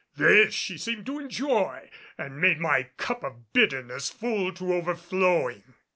This she seemed to enjoy, and made my cup of bitterness full to overflowing.